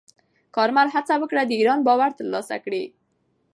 کارمل هڅه وکړه د ایران باور ترلاسه کړي.